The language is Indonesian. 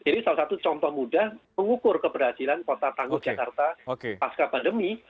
jadi salah satu contoh mudah mengukur keberhasilan kota tanggung jakarta pasca pandemi